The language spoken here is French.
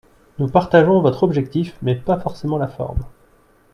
Nous partageons votre objectif, mais pas forcément la forme.